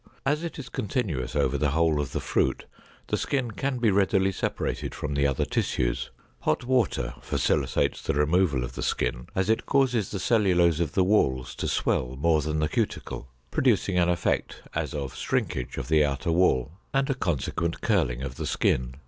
As it is continuous over the whole of the fruit, the skin can be readily separated from the other tissues. Hot water facilitates the removal of the skin, as it causes the cellulose of the walls to swell more than the cuticle, producing an effect as of shrinkage of the outer wall and a consequent curling of the skin.